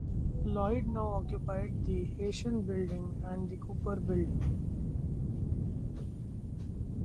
Lloyd's now occupied the Heysham Building and the Cooper Building.